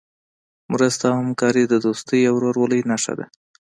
مرسته او همکاري د دوستۍ او ورورولۍ نښه ده.